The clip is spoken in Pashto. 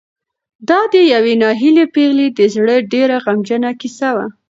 دا د یوې ناهیلې پېغلې د زړه ډېره غمجنه کیسه وه.